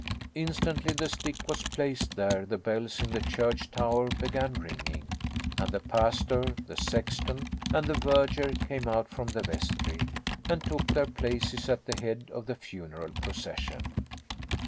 Instantly the stick was placed there the bells in the church tower began ringing and the pastor, the sexton, and the verger came out from the vestry and took their places at the head of the funeral procession.